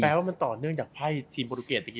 แปลว่ามันต่อเนื่องจากไพ่ทีมมโรบรุเกต